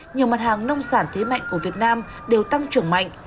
nhiều mặt hàng nông sản thế mạnh của việt nam đều tăng trưởng mạnh